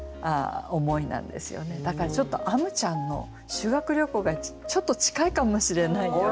だからちょっとあむちゃんの「修学旅行」がちょっと近いかもしれない。